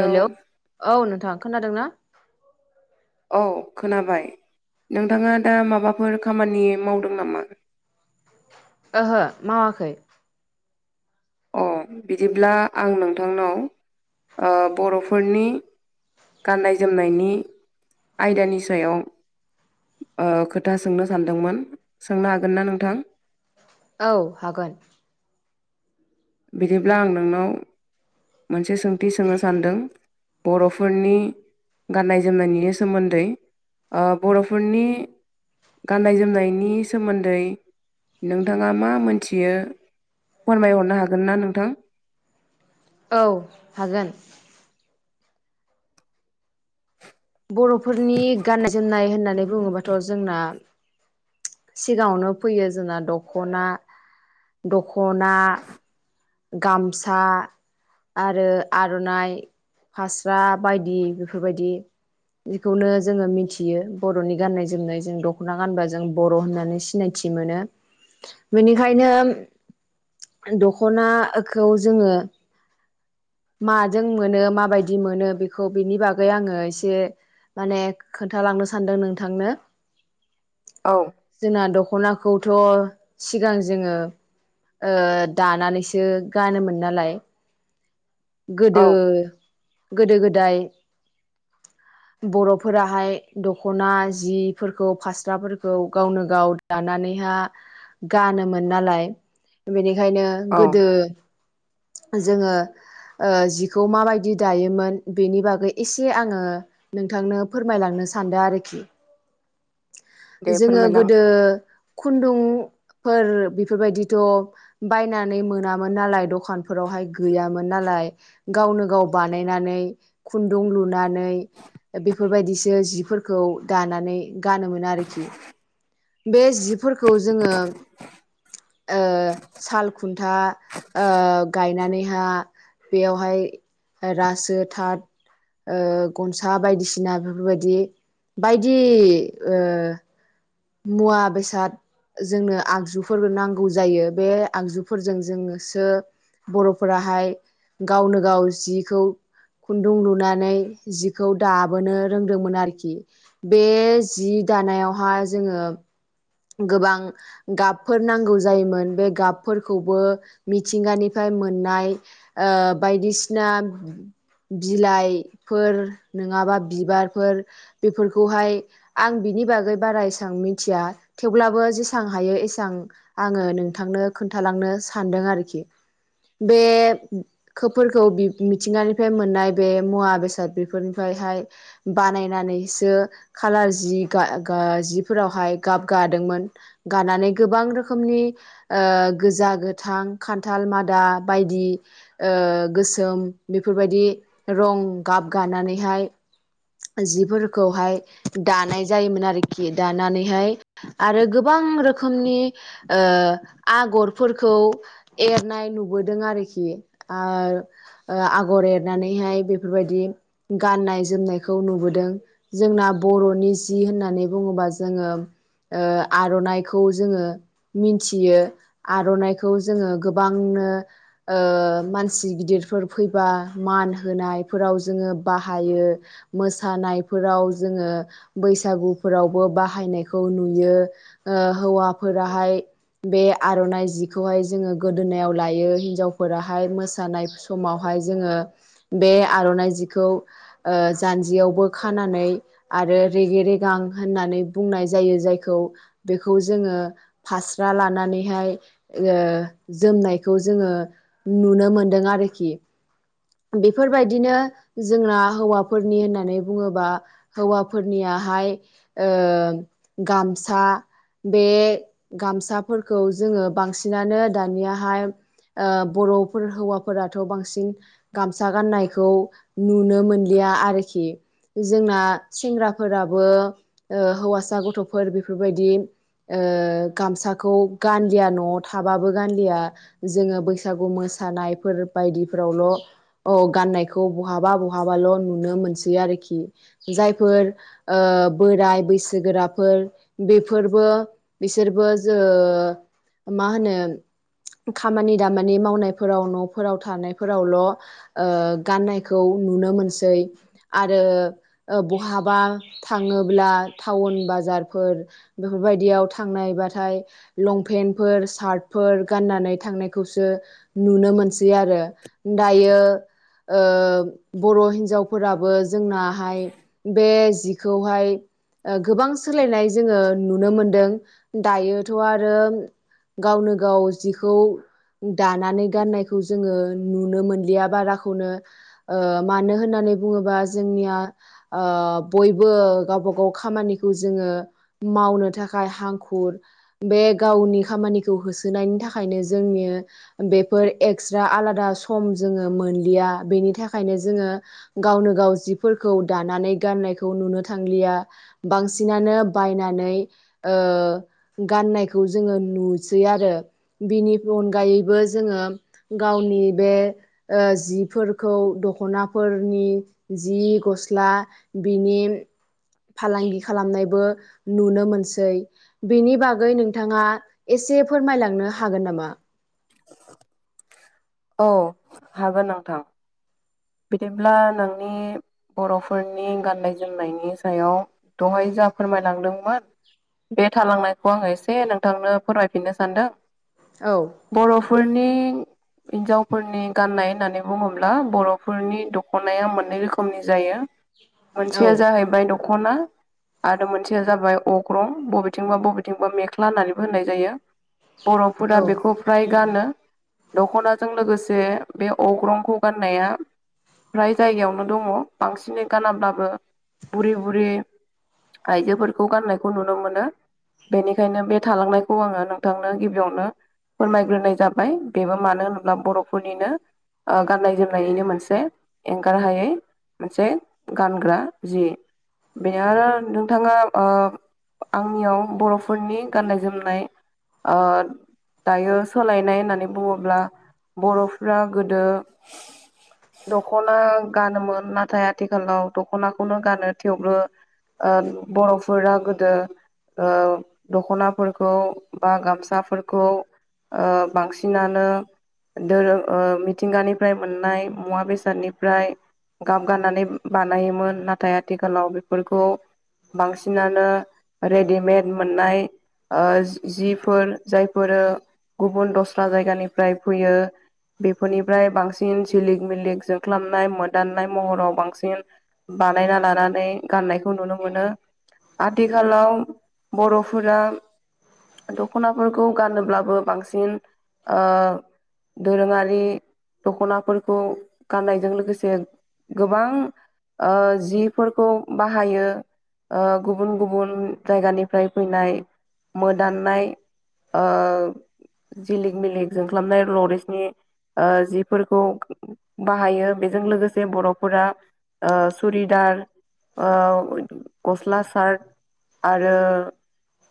Hello औ नोंथांङा खोनादों ना? औ खोनाबाय नोंथाङा दा माबाफोर खामानि मावदों नामा? ओहो मावाखै अ बिदिब्ला आं नोंथांनाव बर'फोरनि गाननाय जोमनायनि आयदानि सायाव खोथा सोंनो सानदोंमोन सोंनो हागोन ना नोंथां? औ हागोन बिदिब्ला आं नोंनाव मोनसे सोंथि सोंनो सानदों बर'फोरनि गाननाय जोमनायनि सोमोनदै ओ बर'फोरनि गाननाय जोमनायनि सोमोनदै नोंथांङा मा मोनथियो फोरमायहरनो हागोन ना नोंथां? औ हागोन बर'फोरनि गाननाय जोमनाय होननानै बुङोबाथ' जोंना सिगांङावनो फैयो जोंना दखना दख'ना गामसा आरो आर'नाइ फास्रा बायदि बेफोरबायदि बेखौनो जोंङो मिथियो बर'नि गान्नाय जोमनाय जों दख'ना गानबा जों बर' होननानै सिनाय थि मोनो बिनिखायनो द ख'नाखौ जोंङो माजों मोनो माबायदि मोनो बेखौ बेनि बागै आंङो एसे माने खोन्थालांनो सानदों नोंथांनो औ जोंना दख'नाखौथ' सिगां जोंङो दानानैसो गानोमोन नालाय औ गोदो गोदो गोदाय [inaudible] बर'फोराहाय दख'ना जिफोरखौ फास्राफोरखौ गावनो गाव लानानैहा गानोमोन नालाय बेनिखायनो औ गोदो जोंङो ओ जिखौ माबायदि दायोमोन बेनि बागै एसे आंङो नोंथांनो फोरमायलांनो सानदों आरोखि [inaudible] दे जोंङो फोरमायलां गोदो खुन्दुंफोर बेफोरबायदिथ' बायनानै मोनामोन नालाय दखानफोरावहाय गैयामोन नालाय गावनो गाव बानायनानै खुन्दुं लुनानै बेफोरबायदिसो जिफोरखौ दानानै गानोमोन आरोखि बे जिफोरखौ जोंङो ओ साल खुन्था ओ गायनानैहा बेयावहाय रासो थात ओ गनसा बायदिसिना बेफोरबायदि बायदि ओ मुवा बेसाद जोंनो आगजुफोरबो नांगौ जायो बे आगजुफोरजों जोंनोसो बर'फोराहाय गावनो गाव जिखौ खुन्दुं लुनानै जिखौ दाबोनो रोंदोंमोन आरोखि बे जि दानायावहा जोंङो गोबां गाबफोर नांगौ जायोमोन बे गाबफोरखौबो मिथिंगानिफ्राय मोननाय बायदिसिना बिलाइफोर नङाबा बिबारफोर बेफोरखौहाय आं बिनि बागै बारा एसबां मिथिया थेवब्लाबो जेसां हायो एसां आङो नोंथांनो खोन्थालांनो सानदों आरोखि बे खोबफोरखौ मिथिंगानिफ्राय मोननाय बे मुवा बेसाद बेफोरनिफ्रायहाय बानायनानैसो खालार जि गा गा जिफोरावहाय गाब गादोंमोन गानानै गोबां रोखोमनि ओ गोजा गोथां खान्थाल मादा बायदि ओ गोसोम बेफोरबायदि रं गाब गानानैहाय जिफोरखौहाय दानाय जायोमोन आरोखि दानानैहाय आरो गोबां रोखोमनि ओ आगरफोरखौ एरनाय नुबोदों आरोखि आरो ओ आगर एरनानैहाय बेफोरबायदि गाननाय जोमनायखौ नुबोदों जोंना बर'नि जि होननानै बुङोबा जोङो ओ आर'नाइखौ जोङो मिथियो आर'नाइखौ जोङो गोबांनो ओ मानसि गिदिरफोर फैबा मान होनायफोराव जोङो बाहायो मोसानायफोराव जोङो बैसागुफोरावबो बाहायनायखौ नु यो ओ हौवाफोराहाय बे आर'नाइ जिखौहाय जोङो गोदोनायाव लायो हिनजावफोराहाय मोसानाय समावहाय जोङो बे आर'नाइ जिखौ ओ जानजियावबो खानानै आरो रेगे रेगां होननानै बुंनाय जायो जाय खौ बेखौ जोङो फास्रा लानानैहाय ओ जोमनायखौ जोङो नुनो मोनदों आरोखि बेफोरबायदिनो जोंना हौवाफोरनि होननानै बुङोबा हौवाफोरनियाहाय ओ गाम सा बे गामसाफोरखौ जोङो बांसिनानो दानियाहाय ओ बर'फोर हौवाफोराथ' बांसिन गामसा गाननायखौ नुनो मोनलिया आरोखि जोंना सेंग्राफोराबो ओ हौवासा गथ'फोर बेफोरबायदि ओ गामसाखौ गानलिया न'वाव थाबाबो गानलिया जोङो बैसागु मोसानायफोर बायदिफोरावल' औ गाननायखौ बहाबा बहाबाल' नुनो मोनसै आरोखि जायफोर ओ बोराइ बैसो गोराफोर बेफोरबो बिसोरबो ओ मा होनो खामानि दामानि मावनायफोराव न'फोराव थानायफोरावल' ओ गाननायखौ नुनो मोनसै आरो बहाबा थाङोब्ला टाउन बाजार फोर बेफोरबायदियाव थांनायबाथाय लंपेन्टफोर सार्टफोर गाननानै थांनायखौसो नुनो मोनसै आरो दायो ओ बर' हिन्जावफोराबो जोंनाहाय बे जिखौहाय गोबां सोलायनाय जोङो नुनो मोनदों दायोथ' आरो गावनो गाव जिखौ दानानै गाननायखौ जोङो नुनो मोनलिया बाराखौनो ओ मानो होननानै बुङोबा जोंनिया ओ बयबो गावबा गाव खामानि खौ जोङो मावनो थाखाय हांखुर बे गावनि खामानिखौ होसोनायनि थाखायनो जोंनि बेफोर एक्सट्रा आलादा सम जोङो मोनलिया बेनि थाखायनो जोङो गावनो गाव जिफोरखौ दानानै गाननायखौ नुनो थांलिया बांसिनानो बायनानै ओ गाननायखौ जोङो नुसै आरो बिनि अनगायैबो जोङो गावनि बे ओ जिफोरखौ दख'नाफोरनि जि गस्ला बिनि फालांगि खालामनायबो नुनो मोनसै बेनि बागै नोंथाङा एसे फोरमायलांनो हागोन नामा औ हागोन नोंथां बिदिब्ला नोंनि बर'फोरनि गाननाय जोमनायनि सायाव दहाय जा फोरमायलांदोंमोन बे थालांनायखौ आङो एसे नोंथांनो फोरमायफिननो सानदों औ बर'फोरनि हिन्जावफोरनि गाननाय होननानै बुङोब्ला बर' फोरनि दख'नाया मोननै रोखोमनि जायो औ मोनसेया जाहैबाय दख'ना आरो मोनसेया जाबाय अग्रं बबेथिंबा बबेथिंबा मेख्ला होननानैबो होननाय जायो बर'फोरा औ बेखौ फ्राय गानो दख'नाजों लोगोसे बे अग्रंखौ गाननाया फ्राय जायगायावनो दङ बांसिनै गानाब्लाबो बुरि बुरि आइजोफोरखौ गाननायखौ नुनो मोनो बेनिखायनो बे थालांनायखौ आङो नोंथांनो गिबियावनो फोरमायग्रोनाय जाबाय बेबो मानो होनोब्ला बर'फोरनिनो ओ गाननाय जोमनायनिनो मोन से एंगार हायै मोनसे गानग्रा जि बे आरो नोंथाङा ओ आंनियाव बर'फोरनि गाननाय जोमनाय ओ दायो सोलायनाय होननानै बुङोब्ला बर'फ्रा गोदो दख'ना गानोमोन नाथाय आथिखालाव दख'नाखौनो गानो थेवबो ओ बर'फोरा गोदो ओ दख'नाफोरखौ बा गामसाफोरखौ ओ बांसिनानो दोर ओ मिथिंगानिफ्राय मोननाय मुवा बेसादनिफ्राय गाब गाननानै बानायोमोन नाथाय आथिखालाव बेफोरखौ बांसिनानो रेडिमेड मोननाय ओ जिफोर जायफोरो गुबुन दस्रा जायगानिफ्राय फैयो बेफोरनिफ्राय बांसिन सिलिक मिलिक जोख्लाबनाय मोदाननाय महराव बांसिन बानायना लानानै गाननायखौ नुनो मोनो आथिखालाव बर'फोरा दख'नाफोरखौ गानोब्लाबो बांसिन ओ दोरोङारि दख'नाफोर खौ गाननायजों लोगोसे गोबां जिफोरखौ बाहायो ओ गुबुन गुबुन जायगानिफ्राय फैनाय मोदाननाय ओ जिलिक मिलिक जों खालामनाय लरिसनि ओ जिफोरखौ बाहायो बेजों लोगोसे बर'फोरा ओ सुरिदार ओ गस्ला सार्ट आरो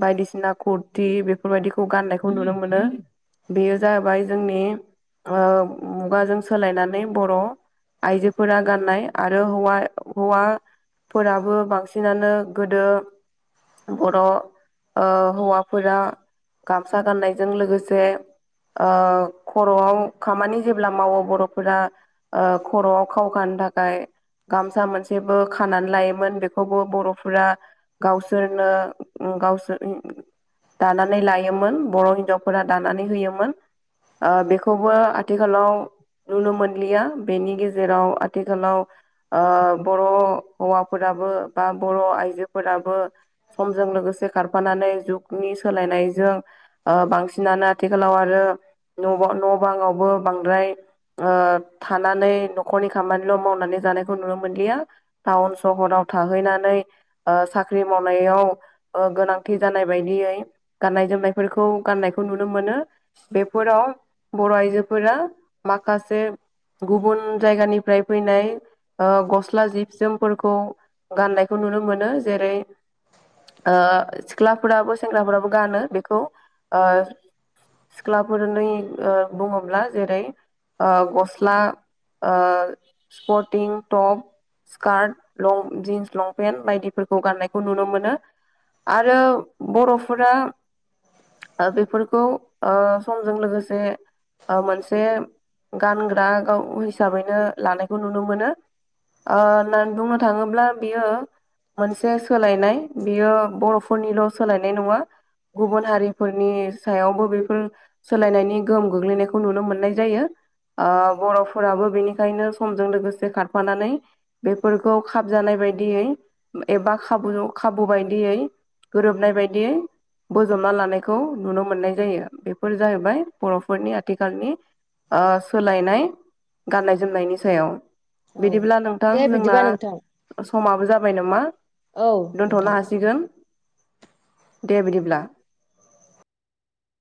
बायदिसिना कुरथि बेफोरबायदिखौ गान्नायखौ नुनो मोनो बेयो जाबाय जोंनि ओ मुगाजों सोलायनानै बर' आइजोफोरा गाननाय आरो हौवा हौवा फोराबो बांसिनानो गोदो बर' ओ हौवाफोरा गामसा गाननायजों लोगोसे ओ खर'आव खामानि जेब्ला मावो बर'फोरा ओ खर'आव खावखानो थाखाय गामसा मोनसेबो खानानै लायोमोन बेखौबो बर'फोरा गावसोरनो गावसोर दानानै लायोमोन बर' हिनजावफोरा दानानै होयोमोन ओ बेखौबो आथिखालाव नुनो मोनलिया बेनि गेजेराव आथिखालाव ओ बर' हौवाफोराबो बा बर' आइजोफोराबो समजों लोगोसे खारफानानै जुगनि सोलायनायजों ओ बांसिनानो आथिखालाव आरो न' न' बाङावबो बांद्राय ओ थानानै न'खरनि खामानिल' मावनानै जानायखौ नुनो मोनलिया टाउन सहराव थाहैनानै साख्रि मावनायाव गोनांथि जानाय बायदियै गाननाय जोमनायफोरखौ गाननायखौ नुनो मोनो बेफोराव बर' आइजोफोरा गासै माखासे गुबुन जायगानिफ्राय फैनाय ओ गस्ला जिब जोमफोरखौ गाननायखौ नुनो मोनो जेरै ओ सिख्लाफोराबो सेंग्राफोराबो गानो बेखौ ओ सिख्लाफोर नै बुङोब्ला जेरै ओ गस्ला ओ स्पटिं टप स्कार्ट लं जिन्स लंपेन्ट बायदिफोरखौ गान्नायखौ नुनो मोनो आरो बर'फोरा बेफोरखौ ओ समजों लोगोसे मोनसे गानग्रा गाव हिसाबैनो लानायखौ नुनो मोनो ओ होननानै बुंनो थाङोब्ला बियो मोनसे सोलायनाय बेयो बर'फोरनिल' सोलायनाय नङा गुबुन हारिफोरनि सायावबो बेफोर सोलायनायनि गोहोम गोग्लैनायखौ नुनो मोननाय जायो ओ बर'फोराबो बेनिखायनो समजों लोगोसे खारफानानै बेफोरखौ खाबजानाय बायदियै एबा खाबु खाबु बायदियै गोरोबनाय बायदियै बोजबना लानायखौ नुनो मोननाय जायो बेफोर जाहैबाय बर'फोरनि आथिखालनि ओ सोलायनाय गाननाय जोमनायनि सायाव औ बिदिब्ला नोंथां दे जोंना बिदिबा नोंथां समाबो जाबाय नामा औ दोनथ'नो नोंथां। हासिगोन दे बिदिब्ला